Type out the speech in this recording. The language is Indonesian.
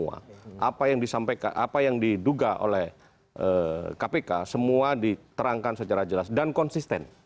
apa yang diduga oleh kpk semua diterangkan secara jelas dan konsisten